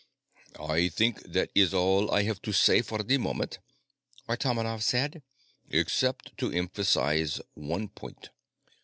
"I think that is all I have to say for the moment," Artomonov said, "except to emphasize one point.